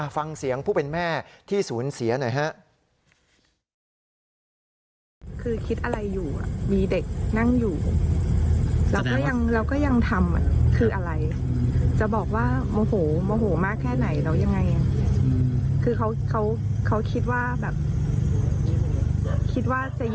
ฟังเสียงผู้เป็นแม่ที่ศูนย์เสียหน่อยฮะ